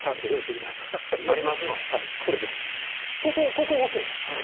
ここ押すんですよ。